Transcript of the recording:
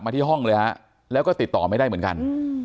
ที่ห้องเลยฮะแล้วก็ติดต่อไม่ได้เหมือนกัน